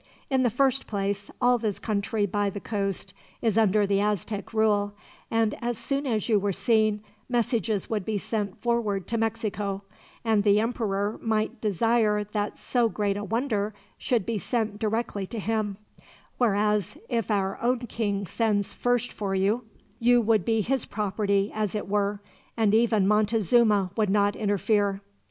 In the first place, all this country by the coast is under the Aztec rule, and as soon as you were seen, messages would be sent forward to Mexico, and the Emperor might desire that so great a wonder should be sent direct to him; whereas, if our own King sends first for you, you would be his property as it were, and even Montezuma would not interfere.